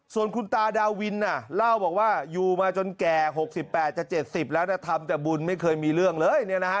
ส่วนคุณตาดาวินเล่าบอกว่าอยู่มาจนแก่๖๘จะ๗๐แล้วทำแต่บุญไม่เคยมีเรื่องเลย